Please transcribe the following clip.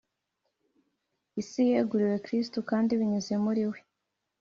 Isi yeguriwe Kristo kandi, binyuze muri We